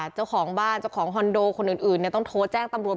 เจ้าของบ้านเจ้าของคอนโดคนอื่นต้องโทรแจ้งตำรวจ